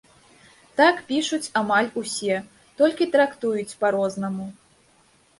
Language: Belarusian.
Так пішуць амаль усе, толькі трактуюць па-рознаму.